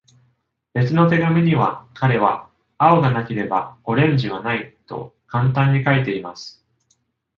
別の手紙には、彼は「青がなければオレンジはない」と簡単に書いています。